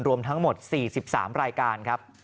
รวมทั้งหมด๔๓รายการ